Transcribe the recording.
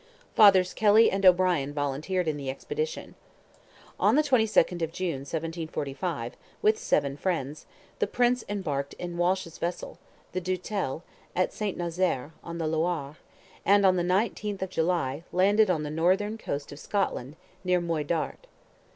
Fathers Kelly and O'Brien volunteered in the expedition. On the 22nd of June, 1745, with seven friends, the prince embarked in Walsh's vessel, the Doutelle, at St. Nazaire, on the Loire, and on the 19th of July, landed on the northern coast of Scotland, near Moidart.